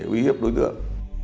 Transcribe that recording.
uy hiếp đối tượng